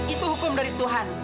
itu hukum dari tuhan